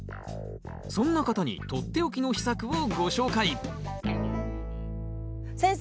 そんな方に取って置きの秘策をご紹介先生